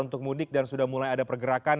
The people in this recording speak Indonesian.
untuk mudik dan sudah mulai ada pergerakan